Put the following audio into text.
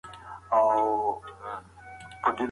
هغه لوستونکی قضاوت ته نه مجبوروي.